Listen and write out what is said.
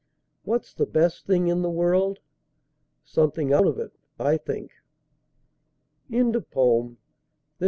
What's the best thing in the world? Something out of it, I think. WHERE'S AGNES?